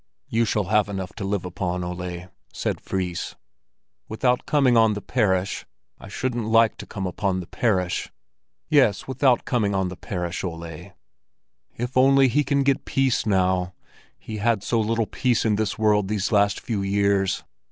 "You shall have enough to live upon, Ole," said Fris. "Without coming on the parish? I shouldn't like to come upon the parish." "Yes, without coming on the parish, Ole." "If only he can get peace now! He had so little peace in this world these last few years.